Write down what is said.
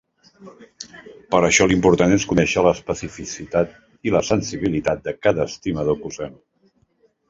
Per això l'important és conèixer l'especificitat i la sensibilitat de cada estimador que usem.